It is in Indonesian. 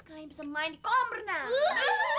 kalian bisa main di kolam renang